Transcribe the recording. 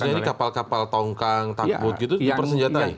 maksudnya ini kapal kapal tongkang takut gitu dipersenjatai